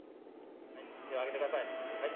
手を上げてください。